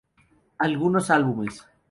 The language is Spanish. Algunos álbumes